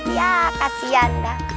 ya kasihan dah